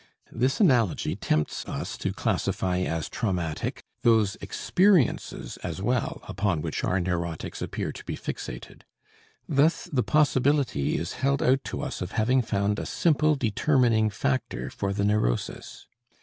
This analogy tempts us to classify as traumatic those experiences as well upon which our neurotics appear to be fixated. Thus the possibility is held out to us of having found a simple determining factor for the neurosis.